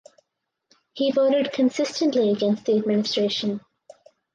He voted consistently against the Administration.